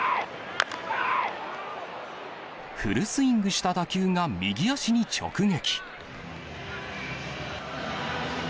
フルスイングした打球が右足に直撃。